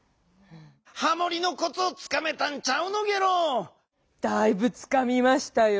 ハモリのコツをつかめたんちゃうのゲロ？だいぶつかみましたよ。